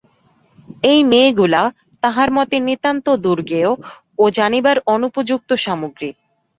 এই মেয়েগুলা তাঁহার মতে নিতান্ত দুর্জ্ঞেয় ও জানিবার অনুপযুক্ত সামগ্রী।